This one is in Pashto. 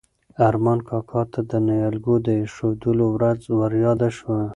ارمان کاکا ته د نیالګیو د ایښودلو ورځ وریاده شوه.